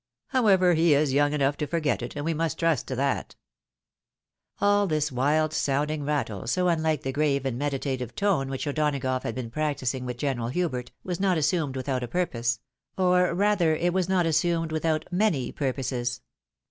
However, he is young enough to forget it, and we must trust to that." AH this wild sounding rattle, so unlike the grave and medi tative tone which O'Donagough had been practising with General Hubert, was not assumed without a purpose ; or rather, it was not assumed without many purposes.